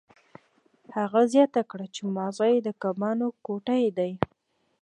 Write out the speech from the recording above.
هغه زیاته کړه چې ماغزه یې د کبانو ګوتې دي